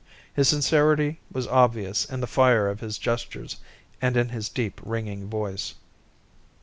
His sincerity was obvious in the fire of his gestures and in his deep, ringing voice.